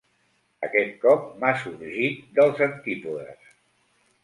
Aquest cop m'ha sorgit dels antípodes.